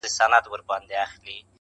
سلماني یې زه دي وینمه ژوندی یې -